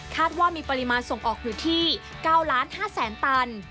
ว่ามีปริมาณส่งออกอยู่ที่๙๕๐๐๐ตัน